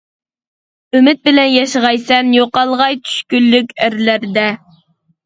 ئۈمىد بىلەن ياشىغايسەن، يوقالغاي چۈشكۈنلۈك ئەرلەردە.